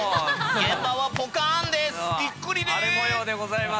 現場はポカンです。